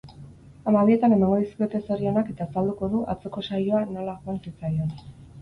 Hamabietan emango dizkiote zorionak eta azalduko du atzoko saioa nola joan zitzaion.